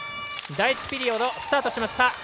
第１ピリオド、スタートしました。